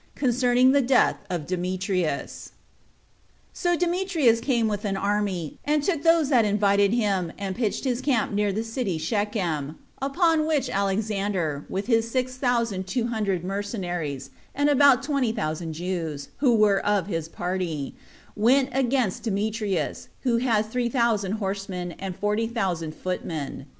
Concerning The Death Of Demetrius. 1. So Demetrius came with an army, and took those that invited him, and pitched his camp near the city Shechem; upon which Alexander, with his six thousand two hundred mercenaries, and about twenty thousand Jews, who were of his party, went against Demetrius, who had three thousand horsemen, and forty thousand footmen.